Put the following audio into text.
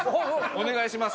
お願いします